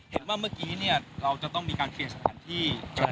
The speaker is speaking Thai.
เห็นว่าเมื่อกี้เนี่ยเราจะต้องมีการเปลี่ยนสถานที่